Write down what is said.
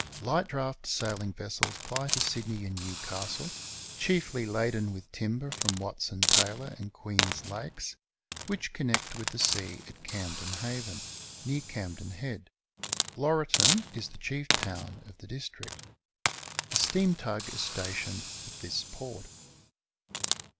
Light draft sailing vessels ply to Sydney and Newcastle, chiefly laden with timber from Watson Taylor and Queen's Lakes, which connect with the sea at Camden Haven, near Camden Head. Laurieton is the chief town of the district. A steam tug is stationed at this port.